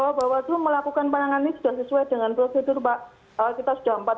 hai obat obat melakukan penanganan sudah sesuai dengan prosedur pak kita sudah empat belas